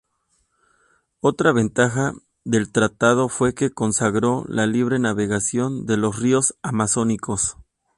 Otra ventaja del tratado fue que consagró la libre navegación de los ríos amazónicos.